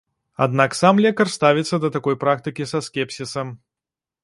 Аднак сам лекар ставіцца да такой практыкі са скепсісам.